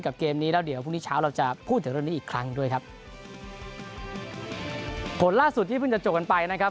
เกมนี้แล้วเดี๋ยวพรุ่งนี้เช้าเราจะพูดถึงเรื่องนี้อีกครั้งด้วยครับผลล่าสุดที่เพิ่งจะจบกันไปนะครับ